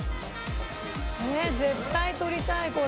えっ絶対取りたいこれ。